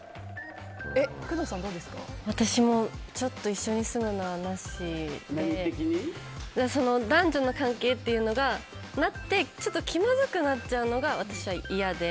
私も一緒に住むのは、なしで男女の関係というのが、なってちょっと気まずくなっちゃうのが私は嫌で。